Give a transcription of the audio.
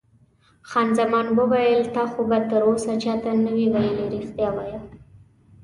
خان زمان وویل: تا خو به تراوسه چا ته نه وي ویلي؟ رښتیا وایه.